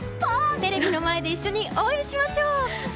テレビの前で一緒に応援しましょう！